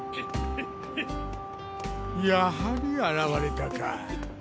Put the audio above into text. やはり現れたか。